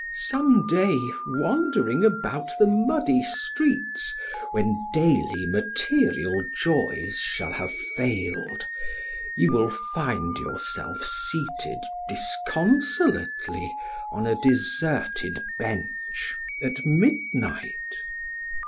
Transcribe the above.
Some day, wandering about the muddy streets, when daily material joys shall have failed, you will find yourself seated disconsolately on a deserted bench at midnight.